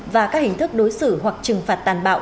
và các hình thức đối xử hoặc trừng phạt tàn bạo